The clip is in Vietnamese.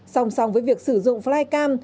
song song với việc sử dụng flycam